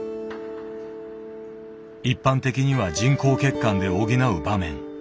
一般的には人工血管で補う場面。